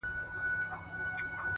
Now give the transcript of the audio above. ستا د خولې سا،